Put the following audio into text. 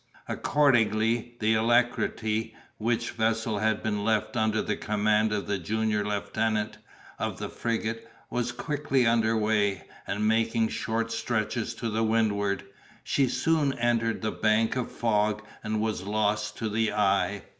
Accordingly, the Alacrity, which vessel had been left under the command of the junior lieutenant of the frigate, was quickly under way; and, making short stretches to windward, she soon entered the bank of fog, and was lost to the eye.